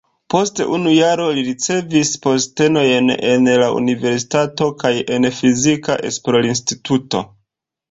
Post unu jaro li ricevis postenojn en la universitato kaj en fizika esplorinstituto.